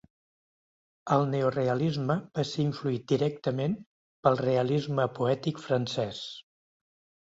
El neorealisme va ser influït directament pel realisme poètic francès.